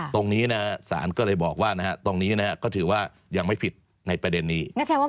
ตรงนี้นะศาลก็เลยบอกว่าตรงนี้ก็ถือว่ายังไม่ผิดในประเด็นนี้